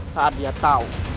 saat dia tahu